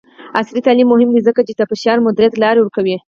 عصري تعلیم مهم دی ځکه چې د فشار مدیریت لارې ورکوي.